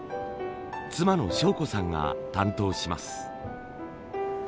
妻の章子さんが担当します。